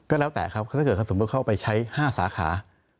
ก็แล้วแต่ครับถ้าเกิดเขาสมมุติเข้าไปใช้๕สาขา